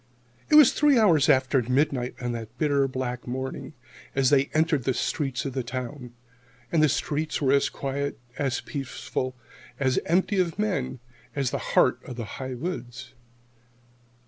It was three hours after midnight on that bitter black morning as they entered the streets of the town. And the streets were as quiet, as peaceful, as empty of men, as the heart of the high woods.